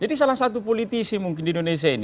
jadi salah satu politisi mungkin di indonesia ini